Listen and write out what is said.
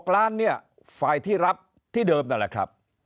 ๖ล้านเนี่ยฝ่ายที่รับที่เดิมนั่นแหละครับ